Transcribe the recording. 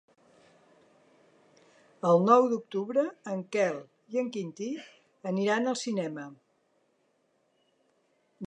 El nou d'octubre en Quel i en Quintí aniran al cinema.